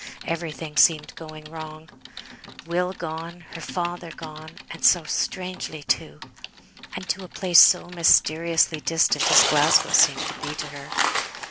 Everything seemed going wrong. Will gone; her father gone and so strangely too! And to a place so mysteriously distant as Glasgow seemed to be to her!